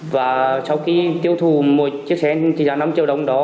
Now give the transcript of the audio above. và sau khi tiêu thủ một chiếc xe tỷ giá năm triệu đồng đó